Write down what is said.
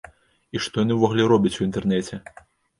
І што яны ўвогуле робяць у інтэрнэце?